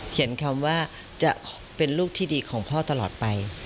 เขียนคำว่าจะเป็นลูกที่ดีของพ่อตลอดไป